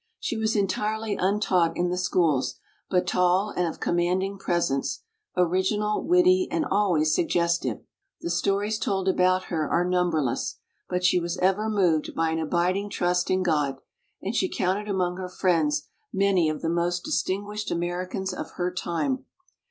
She was entirely untaught in the schools, but tall and of commanding presence, origi nal, witty, and always suggestive. The sto ries told about her are numberless; but she was ever moved by an abiding trust in God, and she counted among her friends many of the most distinguished Americans of her time.